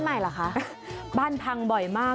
อ๋อไหนงั้นลูกเห็บมาก